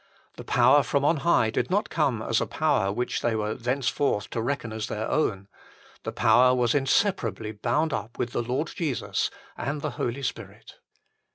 The power from on high did not coine as a power which they were thenceforth to reckon as their own : the power was inseparably bound up with the Lord Jesus and the Holy Spirit.